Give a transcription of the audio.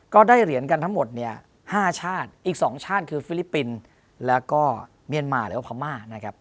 ก็ได้เหรียญกันทั้งหมดเนี่ย๕ชาติอีก๒ชาติคือฟิลิปปินส์แล้วก็เมียนมาหรือว่าพม่านะครับ